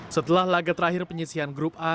setelah laga terakhir penyisian grup a